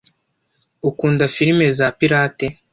ukunda firime za pirate